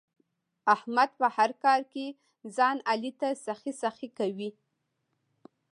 احمد په هر کار کې ځان علي ته سخی سخی کوي.